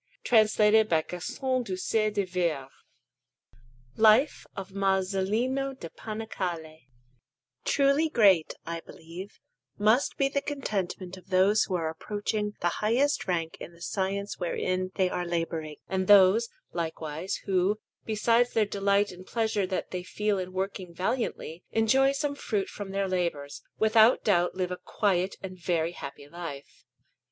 Castiglione d'Olona: Baptistery) Alinari] LIFE OF MASOLINO DA PANICALE PAINTER Truly great, I believe, must be the contentment of those who are approaching the highest rank in the science wherein they are labouring; and those, likewise, who, besides the delight and pleasure that they feel in working valiantly, enjoy some fruit from their labours, without doubt live a quiet and very happy life.